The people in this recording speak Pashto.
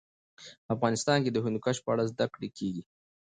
افغانستان کې د هندوکش په اړه زده کړه کېږي.